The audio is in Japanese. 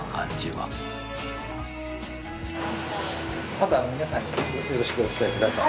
また皆さんによろしくお伝えください。